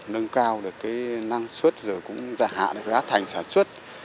nâng cao được cái năng suất rồi cũng giả hạ được giá thành sản xuất